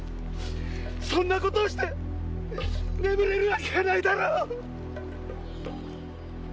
そんな事をして眠れるわけがないだろう！！